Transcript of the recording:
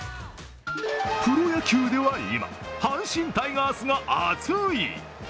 プロ野球では今、阪神タイガースが熱い。